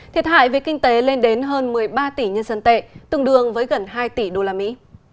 thiệt hại về kinh tế lên đến hơn một mươi ba tỷ nhân dân tệ tương đương với gần hai tỷ đô la mỹ